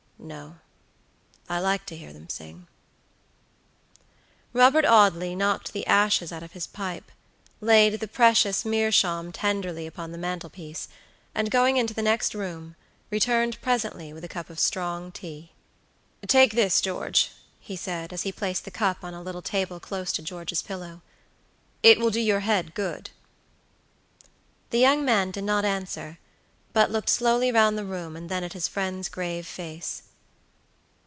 "No; I like to hear them sing." Robert Audley knocked the ashes out of his pipe, laid the precious meerschaum tenderly upon the mantelpiece, and going into the next room, returned presently with a cup of strong tea. "Take this, George," he said, as he placed the cup on a little table close to George's pillow; "it will do your head good." The young man did not answer, but looked slowly round the room, and then at his friend's grave face.